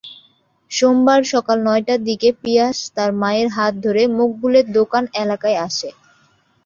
সোমবার সকাল নয়টার দিকে পিয়াস তার মায়ের হাত ধরে মোকবুলের দোকান এলাকায় আসে।